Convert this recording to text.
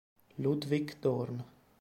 Ludwik Dorn